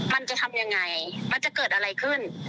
มันจะทำยังไงมันจะเกิดอะไรขึ้น